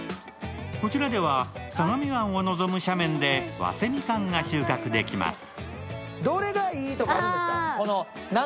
こちらでは相模湾を望む車内で早生みかんが収穫できます。